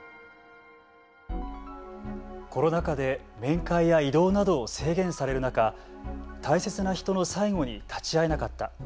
コロナ禍で面会や移動などを制限される中「大切な人の最期に立ち会えなかった」